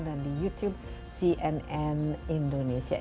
dan di youtube cnn indonesia